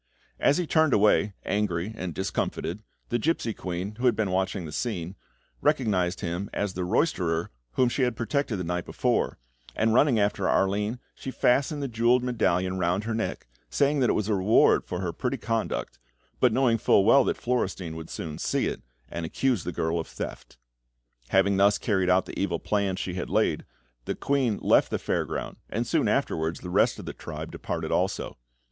As he turned away, angry and discomfited, the gipsy queen, who had been watching the scene, recognised him as the roysterer whom she had protected the night before, and running after Arline, she fastened the jewelled medallion round her neck, saying that it was a reward for her pretty conduct, but knowing full well that Florestein would soon see it, and accuse the girl of theft. Having thus carried out the evil plan she had laid, the queen left the fair ground, and soon afterwards the rest of the tribe departed also.